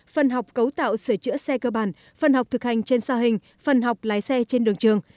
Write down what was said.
phần học cấu tạo sửa chữa xe cơ bản phần học thực hành trên xa hình phần học lái xe trên đường trường